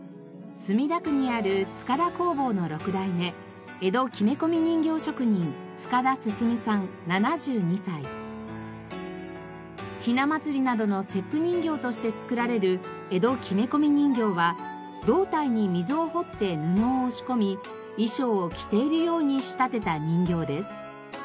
墨田区にある塚田工房の６代目ひな祭りなどの節句人形として作られる江戸木目込人形は胴体に溝を彫って布を押し込み衣装を着ているように仕立てた人形です。